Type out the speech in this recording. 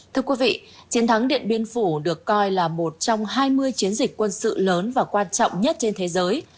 thưa quý vị chiến thắng điện biên phủ được coi là một trong hai mươi chiến dịch quân sự lớn và quan trọng nhất trên thế giới